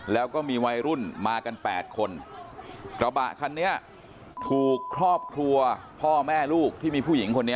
แล้วก็มีวัยรุ่นมากันแปดคนกระบะคันนี้ถูกครอบครัวพ่อแม่ลูกที่มีผู้หญิงคนนี้